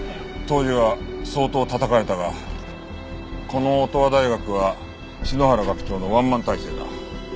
当時は相当たたかれたがこの乙羽大学は篠原学長のワンマン体制だ。